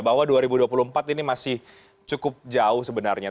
bahwa dua ribu dua puluh empat ini masih cukup jauh sebenarnya